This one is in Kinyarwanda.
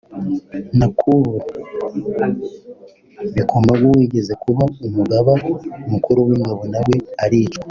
na Col Bikomagu wigeze kuba umugaba mukuru w’ingabo nawe aricwa